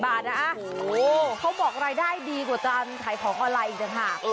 ๑๐๐๐๐บาทนะโอ้โหเขาบอกรายได้ดีกว่าตามขายของอะไรอีกนะฮะ